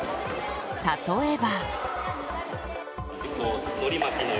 例えば。